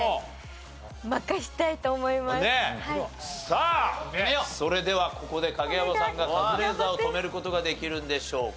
さあそれではここで影山さんがカズレーザーを止める事ができるんでしょうか？